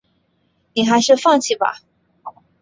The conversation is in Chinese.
你还是放弃吧